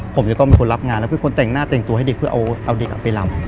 ผมจะต้องเป็นคนรับงานแล้วเป็นคนแต่งหน้าแต่งตัวให้เด็กเพื่อเอาเด็กไปลำ